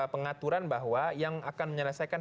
pengaturan bahwa yang akan menyelesaikan